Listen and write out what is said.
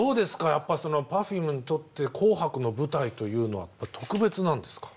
やっぱそのＰｅｒｆｕｍｅにとって「紅白」の舞台というのは特別なんですか？